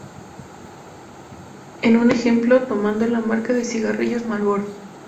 En un ejemplo, tomando la marca de cigarrillos Marlboro.